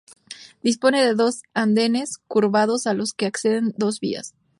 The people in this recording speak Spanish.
Dispone de dos andenes curvados a los que acceden dos vías.